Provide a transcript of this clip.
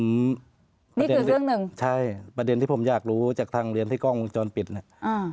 ประเด็นเรื่องหนึ่งใช่ประเด็นที่ผมอยากรู้จากทางเรียนที่กล้องวงจรปิดเนี่ยอ่า